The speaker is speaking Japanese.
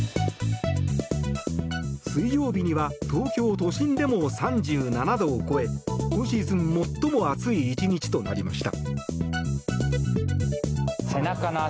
水曜日には東京都心でも３７度を超え今シーズン最も暑い１日となりました。